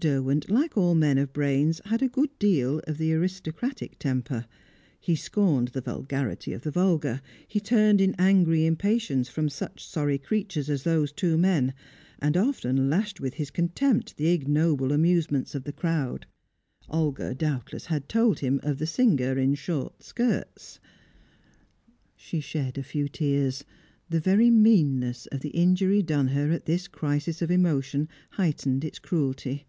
Derwent, like all men of brains, had a good deal of the aristocratic temper; he scorned the vulgarity of the vulgar; he turned in angry impatience from such sorry creatures as those two men; and often lashed with his contempt the ignoble amusements of the crowd. Olga doubtless had told him of the singer in short skirts She shed a few tears. The very meanness of the injury done her at this crisis of emotion heightened its cruelty.